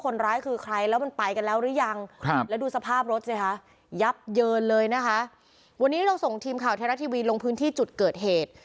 นะคะวันนี้เราส่งทีมข่าวเทราทีวีลงพื้นที่จุดเกิดเหตุ